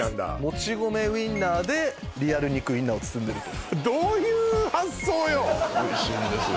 もち米ウインナーでリアル肉ウインナーを包んでるとどういう発想よおいしいんですよ